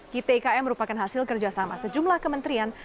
kitikm merupakan hasil kerjasama sejumlah kementerian